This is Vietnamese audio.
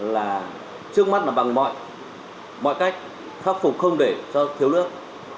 là trước mắt là bằng mọi cách khắc phục không để cho thiếu nước